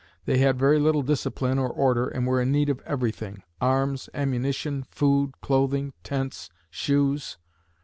They had very little discipline or order and were in need of everything arms, ammunition, food, clothing, tents, shoes.